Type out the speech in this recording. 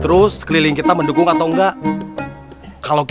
terus sekeliling kita mendukung atau enggak